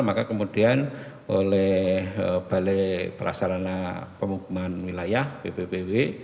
maka kemudian oleh balai perasarana penghubungan wilayah bbbw